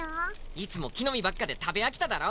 いつもきのみばっかで食べあきただろ？